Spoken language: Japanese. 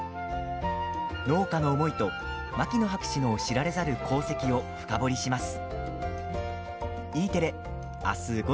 農家の思いと、牧野博士の知られざる功績を深掘りします。